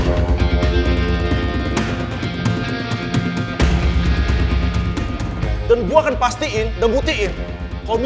pokoknya mulai sekarang kita gak usah kerja sama lagi